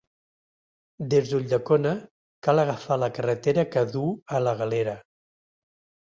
Des d'Ulldecona, cal agafar la carretera que duu a la Galera.